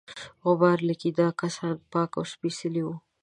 غبار لیکي دا کسان پاک او سپیڅلي وه.